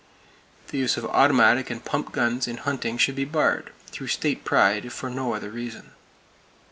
The use of automatic and pump guns in hunting should be barred,—through state pride, if for no other reason.